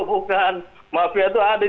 bukan mafia itu ada